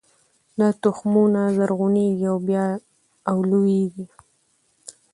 دا تخمونه زرغونیږي او لوییږي